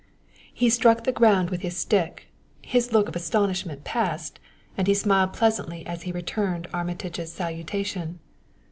He struck the ground with his stick, his look of astonishment passed, and he smiled pleasantly as he returned Armitage's salutation.